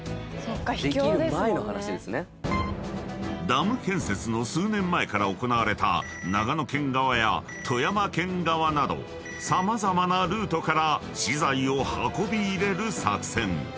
［ダム建設の数年前から行われた長野県側や富山県側など様々なルートから資材を運び入れる作戦］